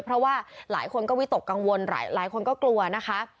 เพราะว่าหลายคนก็วิตกกังวลหลายคนก็กลัวนะคะ